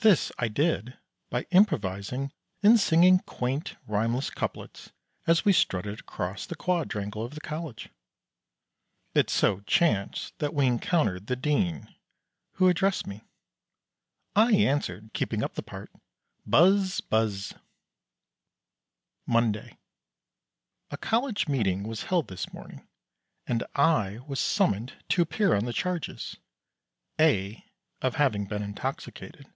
This I did by improvising and singing quaint rhymeless couplets as we strutted across the Quadrangle of the College. It so chanced that we encountered the Dean, who addressed me. I answered, keeping up the part: "Buzz. Buzz." Monday. A College meeting was held this morning and I was summoned to appear on the charges: (a) Of having been intoxicated.